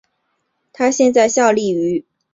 他现在效力于英超球队沃特福德足球俱乐部。